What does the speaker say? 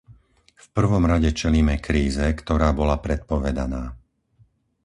V prvom rade čelíme kríze, ktorá bola predpovedaná.